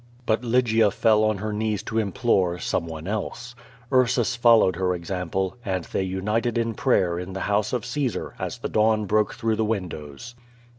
'* But Lygia fell on her knees to implore some one else. Ur sus followed her example, and they uliited in prayer in the house of Caesar as the dawn broke through the windows.